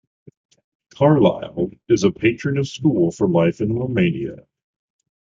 Carlyle is a patron of School For Life in Romania.